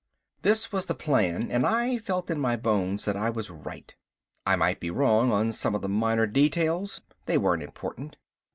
This was the plan and I felt in my bones that I was right. I might be wrong on some of the minor details, they weren't important.